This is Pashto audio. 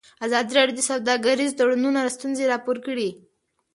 ازادي راډیو د سوداګریز تړونونه ستونزې راپور کړي.